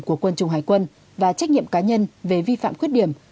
của quân chủng hải quân và trách nhiệm cá nhân về vi phạm khuyết điểm